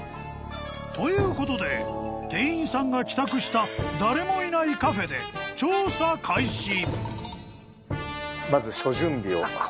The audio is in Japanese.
［ということで店員さんが帰宅した誰もいないカフェで調査開始］